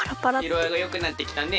いろあいがよくなってきたね。